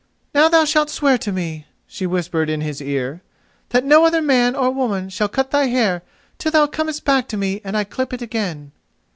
"Now thou shalt swear to me," she whispered in his ear, "that no other man or woman shall cut thy hair till thou comest back to me and I clip it again."